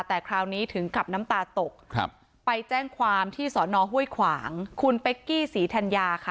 แต่คราวนี้ถึงกับน้ำตาตกไปแจ้งความที่สอนอห้วยขวางคุณเป๊กกี้ศรีธัญญาค่ะ